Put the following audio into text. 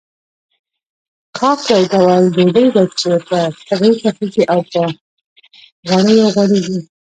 کاک يو ډول ډوډۍ ده چې په تبۍ پخېږي او په غوړيو غوړېږي.